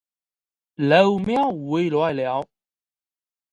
牢猫回来了